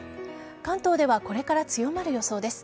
関東ではこれから強まる予想です。